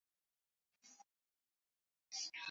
rais wa tanzania jakaya mrisho kikwete